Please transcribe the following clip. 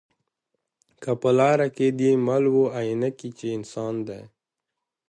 که په لاره کی دي مل وو آیینه کي چي انسان دی